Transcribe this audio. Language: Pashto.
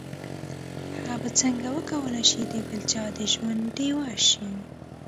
هغه به څنګه وکولای شي د بل چا د ژوند ډيوه شي.